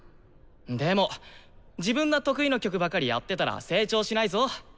でも自分の得意な曲ばかりやってたら成長しないぞ。